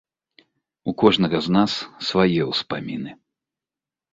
У кожнага з нас свае ўспаміны.